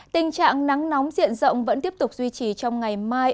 tình trạng nắng nóng diện rộng vẫn tiếp tục duy trì trong ngày mai